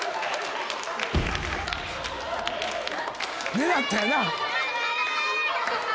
狙ったよな。